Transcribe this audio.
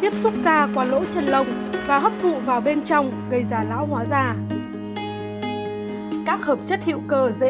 tiếp xúc da qua lỗ chân lông và hấp thụ vào bên trong gây ra lão hóa da các hợp chất hữu cơ dễ